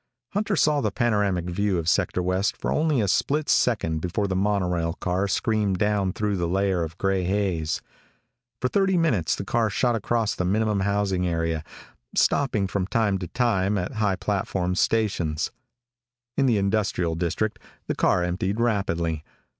Hunter saw the panoramic view of Sector West for only a split second before the monorail car screamed down through the layer of gray haze. For thirty minutes the car shot across the minimum housing area, stopping from time to time at high platformed stations. In the industrial district the car emptied rapidly.